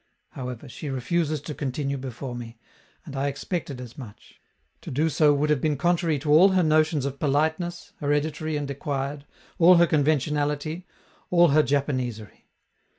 However, she refuses to continue before me, and I expected as much; to do so would have been contrary to all her notions of politeness, hereditary and acquired, all her conventionality, all her Japanesery.